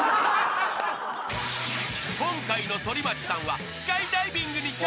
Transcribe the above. ［今回の反町さんはスカイダイビングに挑戦］